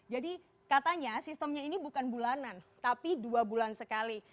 jadi katanya sistemnya ini bukan bulanan tapi dua bulan sekali